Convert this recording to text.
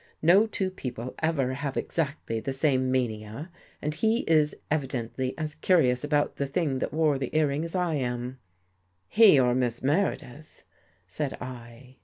No two people ever have ex actly the same mania, and he is evidently as curious about the thing that wore the earring as I am." " He or Miss Meredith," said I.